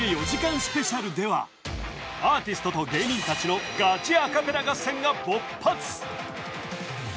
４時間スペシャルではアーティストと芸人たちのガチアカペラ合戦が勃発！